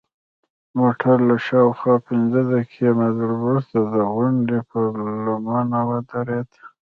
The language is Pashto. موټر له شاوخوا پنځه دقیقې مزل وروسته د غونډۍ پر لمنه ودرید.